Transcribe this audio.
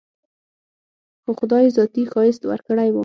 خو خداى ذاتي ښايست وركړى و.